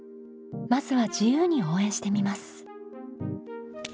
まずは自由に応援してみます。